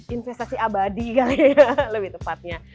investasi abadi kali ya lebih tepatnya